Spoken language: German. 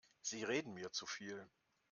Sie reden mir zu viel.